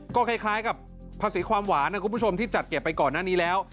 ก็คล้ายกับภาษีความหวานนะคุณผู้ชมที่จัดเก็บไปก่อนหน้านี้แล้ว